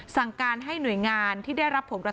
สั่งการให้หน่วยงานที่ได้รับผลกระทบ